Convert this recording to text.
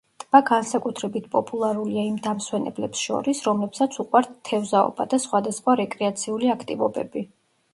ტბა განსაკუთრებით პოპულარულია იმ დამსვენებლებს შორის, რომლებსაც უყვართ თევზაობა და სხვადასხვა რეკრეაციული აქტივობები.